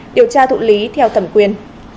điều tra thụ lý theo thẩm quyền